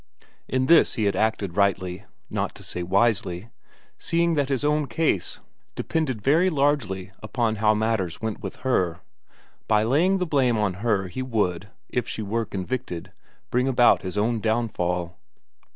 In this he had acted rightly not to say wisely, seeing that his own case depended very largely upon how matters went with her. By laying the blame on her he would, if she were convicted, bring about his own downfall.